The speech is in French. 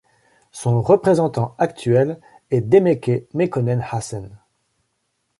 Son représentant actuel est Demeqe Mekonnen Hassen.